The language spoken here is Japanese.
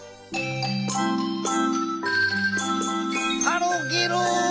ハロゲロー。